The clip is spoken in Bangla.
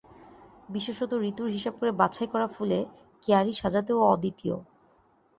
বিশেষত ঋতুর হিসাব করে বাছাই-করা ফুলে কেয়ারি সাজাতে ও অদ্বিতীয়।